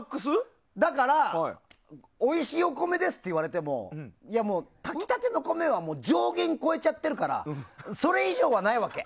だから、おいしいお米ですって言われても炊き立ての米は上限を超えちゃってるからそれ以上はないわけ。